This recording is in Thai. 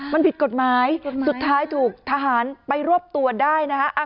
มันผิดกฎหมายสุดท้ายถูกทหารไปรวบตัวได้นะคะ